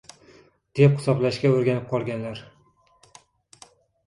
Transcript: deb hisoblashga o‘rganib qolganlar.